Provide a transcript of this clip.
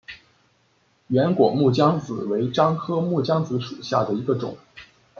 圆果木姜子为樟科木姜子属下的一个种。